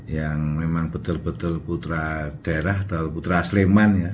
yang memang betul betul putra daerah atau putra sleman ya